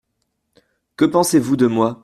Que pensez-vous de moi ?